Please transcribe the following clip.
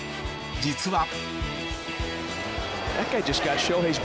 実は。